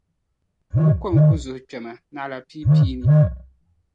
Nuu kom ku zuhi kpɛma; naɣila pipia ni.